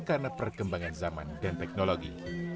karena perkembangan zaman dan teknologi